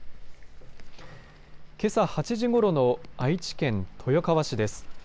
けさ８時ごろの愛知県豊川市です。